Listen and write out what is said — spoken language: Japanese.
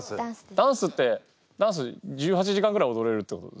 ダンスってダンス１８時間ぐらいおどれるってこと？